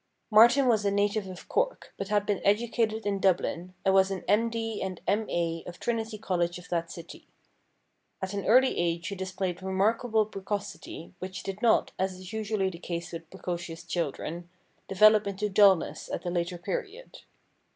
Martin was a native of Cork, but had been educated in Dublin, and was an M.D. and M.A. of Trinity College of that city. At an early age he displayed remarkable precocity, which did not, as is usually the case with precocious children, develop into dulness at a later period.